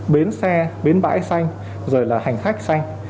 bến xe bến bãi xanh rồi là hành khách xanh